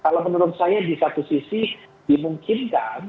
kalau menurut saya di satu sisi dimungkinkan